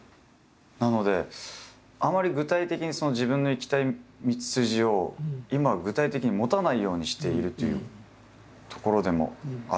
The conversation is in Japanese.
なのであまり具体的に自分の行きたい道筋を今具体的に持たないようにしているというところでもあるんですけれども。